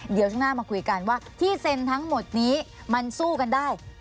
เดี๋ยวช่วงหน้ามาคุยกันว่าที่เซ็นทั้งหมดนี้มันสู้กันได้